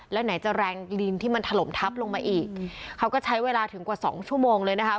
แล้วไหนจะแรงลินที่มันถล่มทับลงมาอีกเขาก็ใช้เวลาถึงกว่าสองชั่วโมงเลยนะคะ